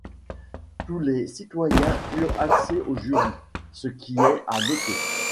Tous les citoyens eurent accès aux jurys, ce qui est à noter.